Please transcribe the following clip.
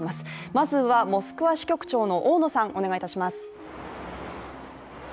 まずはモスクワ支局長の大野さん、お願いいたします。